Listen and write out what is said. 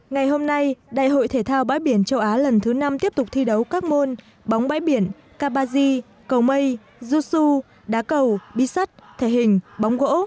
ngày hôm nay đại hội thể thao bãi biển châu á lần thứ năm tiếp tục thi đấu các môn bóng bãi biển kabaji cầu mây jutsu đá cầu bi sắt thể hình bóng gỗ